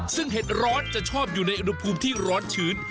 ซึ่งเห็ดร้อนจะชอบอยู่ในอุณหภูมิที่ร้อนชื้น